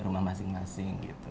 rumah masing masing gitu